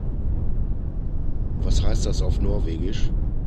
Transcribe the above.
Was heißt das auf Norwegisch?